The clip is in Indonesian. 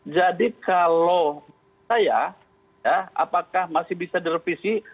jadi kalau saya apakah masih bisa direvisi